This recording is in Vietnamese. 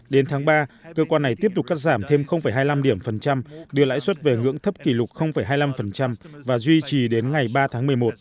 đến tháng ba cơ quan này tiếp tục cắt giảm thêm hai mươi năm điểm phần trăm đưa lãi suất về ngưỡng thấp kỷ lục hai mươi năm và duy trì đến ngày ba tháng một mươi một